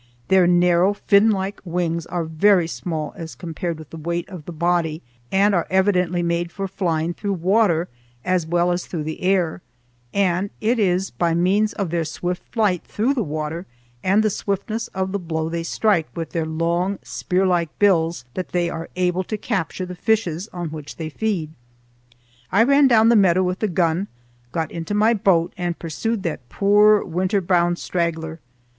Their narrow, finlike wings are very small as compared with the weight of the body and are evidently made for flying through water as well as through the air, and it is by means of their swift flight through the water and the swiftness of the blow they strike with their long, spear like bills that they are able to capture the fishes on which they feed. I ran down the meadow with the gun, got into my boat, and pursued that poor winter bound straggler.